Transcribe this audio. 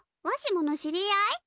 わしもの知り合い？